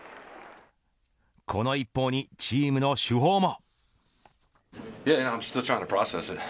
この一報にチームの主砲も。